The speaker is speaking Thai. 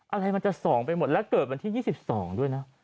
อะไรมันจะ๒ไปหมดแล้วเกิดวันที่๒๒ด้วยนะ